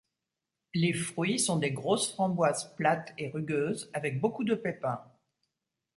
Les fruits sont des grosses framboises plates et rugueuses, avec beaucoup de pépins.